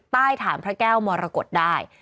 ใต้ฐานพระแก้วมรกฏได้